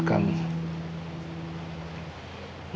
akang jawab bukan